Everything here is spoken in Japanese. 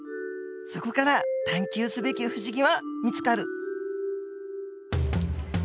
そこから探究すべき不思議は見つかる